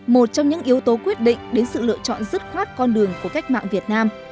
một trong những yếu tố quyết định đến sự lựa chọn dứt khoát con đường của cách mạng việt nam